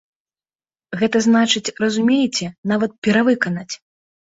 Гэта значыць, разумееце, нават перавыканаць!